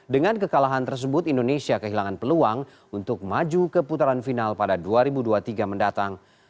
dengan kekalahan tersebut indonesia kehilangan peluang untuk maju ke putaran final pada dua ribu dua puluh tiga mendatang